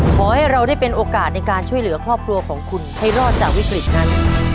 ขอให้เราได้เป็นโอกาสในการช่วยเหลือครอบครัวของคุณให้รอดจากวิกฤตนั้น